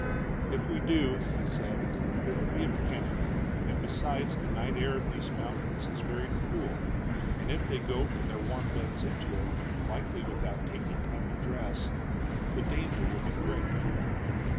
"If we do," he said, "there will be a panic; and, besides, the night air of these mountains is very cool, and if they go from their warm beds into it, likely without taking time to dress, the danger will be great."